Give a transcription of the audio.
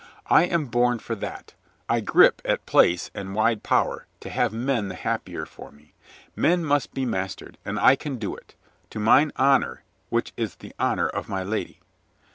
I am born for that. I grip at place and wide power to have men the happier for me. Men must be mastered, and I can do it — to mine honor, which is the honor of my lady."